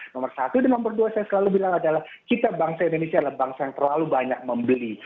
nomor satu dan nomor dua saya selalu bilang adalah kita bangsa indonesia adalah bangsa yang terlalu banyak membeli